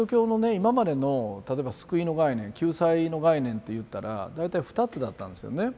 今までの例えば救いの概念救済の概念っていったら大体２つだったんですよね。